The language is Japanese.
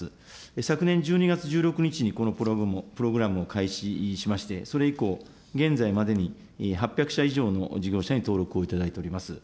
昨年１２月１６日にこのプログラムを開始しまして、それ以降、現在までに８００社以上の事業者に登録をいただいております。